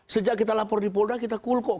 sejak kita lapor di polda kita cool kok